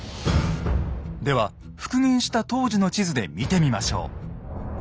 では復元した当時の地図で見てみましょう。